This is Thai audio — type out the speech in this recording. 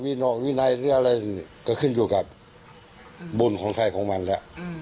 วินอกรูปไทยซื้ออะไรก็ขึ้นอยู่กับบุญของใครของไปนะ